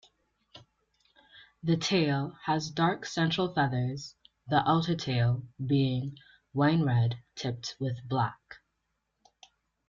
The tail has dark central feathers, the outer tail being wine-red tipped with black.